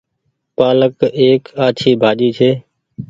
پآلڪ ايڪ آڇي ڀآڃي ڇي۔